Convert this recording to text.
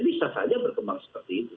bisa saja berkembang seperti itu